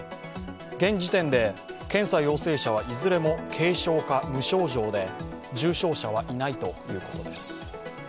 現時点で検査陽性者はいずれも軽症か無症状で重症者はいないということです。